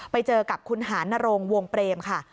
ไปเจอกับคุณหานรงวงเปรมค่ะ